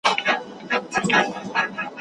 مورنۍ ژبه د ټولګي تفاهم څنګه زياتوي؟